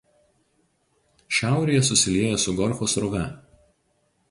Šiaurėje susilieja su Golfo srove.